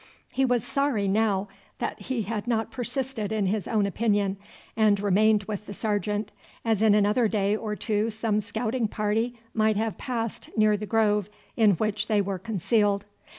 He was sorry now that he had not persisted in his own opinion and remained with the sergeant, as in another day or two some scouting party might have passed near the grove in which they were concealed.